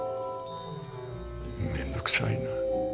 めんどくさいな。